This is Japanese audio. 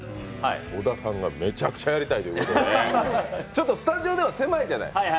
小田さんがめちゃくちゃやりたいということで、スタジオでは狭いじゃない。